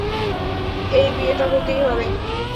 এই বিয়েটা হতেই হবে।